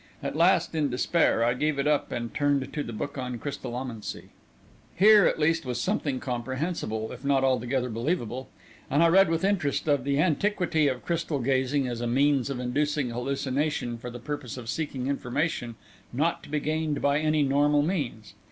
At last, in despair, I gave it up, and turned to the book on crystallomancy. Here, at least, was something comprehensible, if not altogether believable, and I read with interest of the antiquity of crystal gazing as a means of inducing hallucination for the purpose of seeking information not to be gained by any normal means.